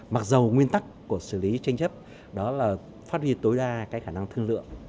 mặc dù nguyên tắc của xử lý tranh chấp đó là phát huy tối đa cái khả năng thương lượng